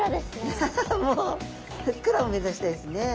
アハハもうふっくらを目指したいっすね。